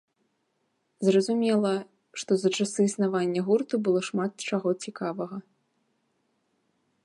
Зразумела, што за часы існавання гурту было шмат чаго цікавага.